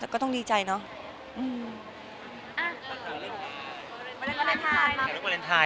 ก็ต้องดีใจเนาะ